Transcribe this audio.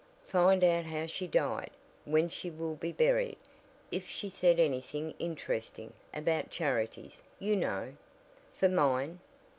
"Find out how she died, when she will be buried; if she said anything interesting about charities, you know " "For mine!"